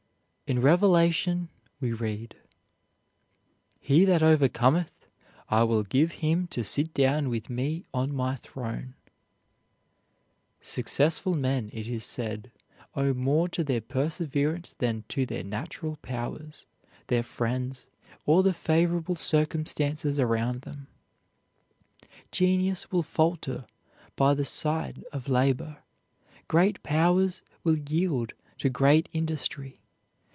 In Revelation we read: "He that overcometh, I will give him to sit down with me on my throne." Successful men, it is said, owe more to their perseverance than to their natural powers, their friends, or the favorable circumstances around them. Genius will falter by the side of labor, great powers will yield to great industry.